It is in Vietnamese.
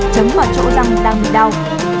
chấm vào chỗ răng đang bị đau